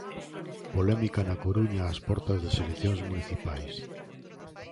Polémica na Coruña ás portas das eleccións municipais.